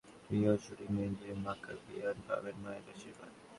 নানা বাড়িতে বসে প্রার্থনা করবেন, রিওর শুটিং রেঞ্জেই মাকাভারিয়ান পাবেন মায়ের আশীর্বাদ।